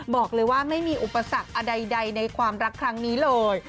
บอกเลยว่าไม่มีอุปสรรคใดในความรักครั้งนี้เลย